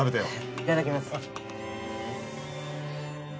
いただきます